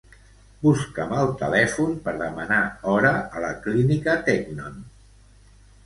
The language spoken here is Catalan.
Busca'm el telèfon per demanar hora a la Clínica Teknon.